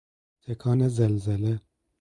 تکان زلزله